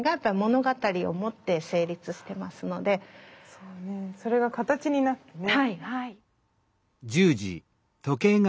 そうねそれが形になってね。